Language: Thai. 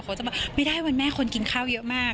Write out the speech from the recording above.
เขาจะบอกไม่ได้วันแม่คนกินข้าวเยอะมาก